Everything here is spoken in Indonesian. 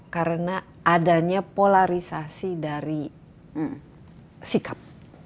karena adanya polarisasi dari sikap